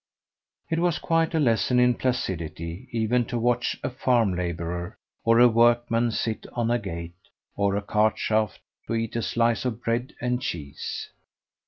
It was quite a lesson in placidity even to watch a farm labourer or a workman sit on a gate or a cart shaft to eat a slice of bread and cheese.